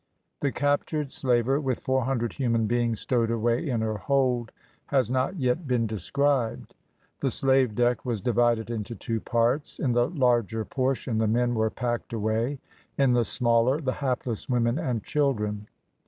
The captured slaver, with four hundred human beings stowed away in her hold, has not yet been described. The slave deck was divided into two parts: in the larger portion the men were packed away; in the smaller, the hapless women and children.